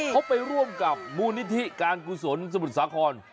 เขาไปร่วมกับมูลนิธิการกุศลสมุทรสาคร